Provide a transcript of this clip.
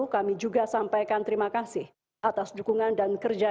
kami juga sampaikan terima kasih atas dukungan dan kerja